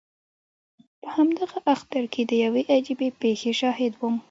په همدغه اختر کې د یوې عجیبې پېښې شاهد وم.